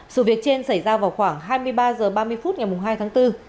sự việc trên xảy ra vào khoảng hai mươi ba h ba mươi phút ngày hai tháng bốn